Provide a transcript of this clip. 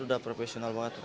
udah profesional banget